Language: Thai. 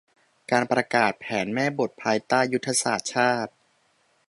การประกาศแผนแม่บทภายใต้ ยุทธศาสตร์ชาติ